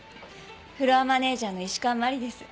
フロアマネジャーの石川マリです。